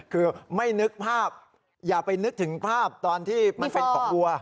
คือไม่นึกภาพอย่าไปนึกถึงภาพตอนที่มันเป็นของวัว